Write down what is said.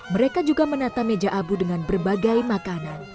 mereka juga menata meja abu dengan berbagai makanan